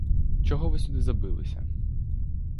Чого ви сюди забилися?